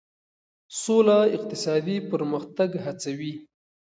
سوله اقتصادي پرمختګ هڅوي.